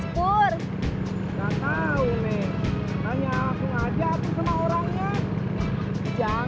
kau ukuran bajunya mas pur